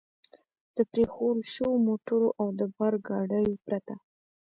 د پرېښوول شوو موټرو او د بار ګاډیو پرته.